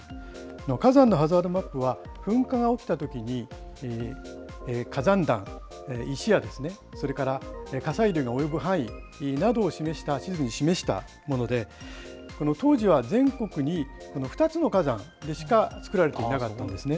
火山のハザードマップは、噴火が起きたときに、火山だん、石やそれから火砕流が及ぶ範囲などを地図に示したもので、当時は全国に２つの火山でしか作られていなかったんですね。